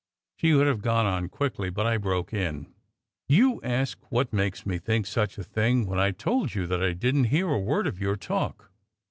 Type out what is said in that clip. She would have gone on quickly, but I broke in. "You ask what makes me think such a thing when I told you that I didn t hear a word of your talk.